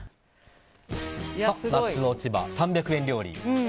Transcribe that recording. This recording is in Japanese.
夏の千葉、３００円料理。